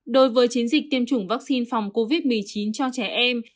đối với chiến dịch tiêm chủng vaccine phòng covid một mươi chín cho trẻ em